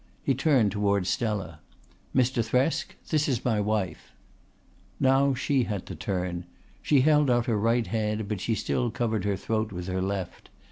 He turned towards Stella. "Mr. Thresk, this is my wife." Now she had to turn. She held out her right hand but she still covered her throat with her left.